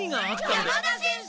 山田先生！